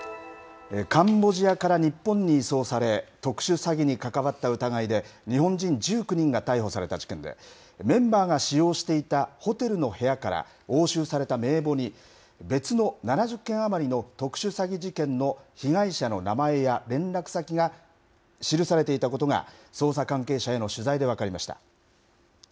カンボジアから日本に移送され、特殊詐欺に関わった疑いで日本人１９人が逮捕された事件で、メンバーが使用していたホテルの部屋から、押収された名簿に、別の７０件余りの特殊詐欺事件の被害者の名前や連絡先が記されていたことが、捜査関係者への取材で分かりました。